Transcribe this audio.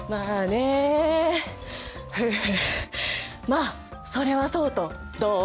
まあそれはそうとどう？